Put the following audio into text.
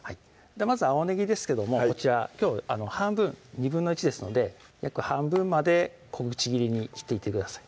まず青ねぎですけどもこちらきょう半分１／２ですので約半分まで小口切りに切っていってください